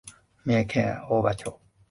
三重県大台町